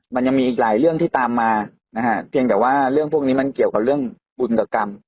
มันยังมีอีกหลายเรื่องที่ตามมานะฮะเพียงแต่ว่าเรื่องพวกนี้มันเกี่ยวกับเรื่องบุญกับกรรม